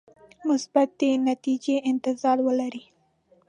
مثبتې نتیجې انتظار ولري.